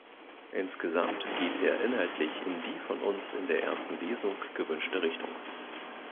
Insgesamt geht er inhaltlich in die von uns in der ersten Lesung gewünschte Richtung.